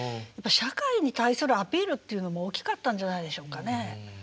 社会に対するアピールっていうのも大きかったんじゃないでしょうかね。